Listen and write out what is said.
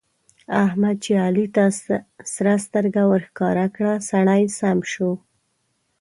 احمد چې علي ته سره سترګه ورښکاره کړه؛ سړی سم شو.